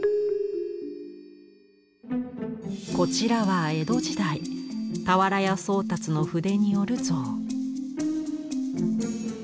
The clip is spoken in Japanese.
こちらは江戸時代俵屋宗達の筆による象。